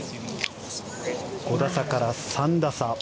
５打差から３打差。